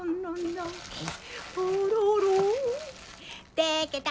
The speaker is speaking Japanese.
でけた！